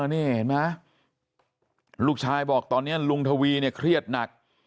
นี่เห็นไหมลูกชายบอกตอนนี้ลุงทวีเนี่ยเครียดหนัก